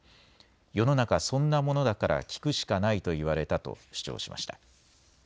世の中そんなものだから聞くしかないと言われたと主張しました。